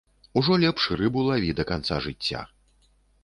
Ужо лепш рыбу лаві да канца жыцця.